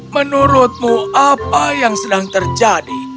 menurutmu apa yang sedang terjadi